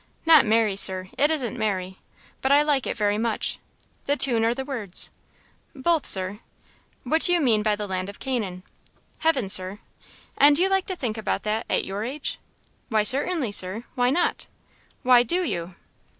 "Not merry, Sir it isn't merry; but I like it very much." "The tune or the words?" "Both, Sir." "What do you mean by the land of Canaan?" "Heaven, Sir." "And do you like to think about that, at your age?" "Why, certainly, Sir! Why not?" "Why do you?"